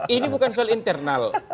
ini bukan soal internal